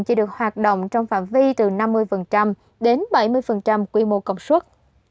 chỉ được hoạt động trong phạm vi từ năm mươi đến bảy mươi quy mô công suất